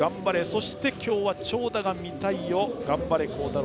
そして今日は長打が見たいよ頑張れ、幸太郎！